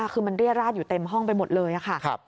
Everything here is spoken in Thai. คือมันเรียดราดอยู่เต็มห้องไปหมดเลยค่ะ